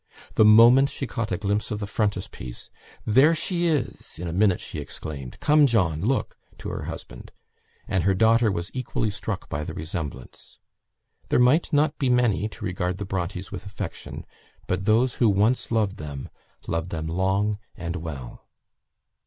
The moment she caught a glimpse of the frontispiece, "There she is," in a minute she exclaimed. "Come, John, look!" (to her husband); and her daughter was equally struck by the resemblance. There might not be many to regard the Brontes with affection, but those who once loved them, loved them long and well.